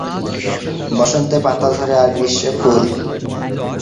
বসন্তে পাতা ঝরে আর গ্রীষ্মে ফুল।